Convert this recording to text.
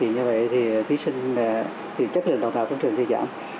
như vậy thì chất lượng đào tạo của trường sẽ giảm